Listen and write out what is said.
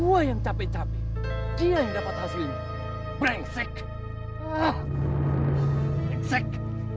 wah yang capek capek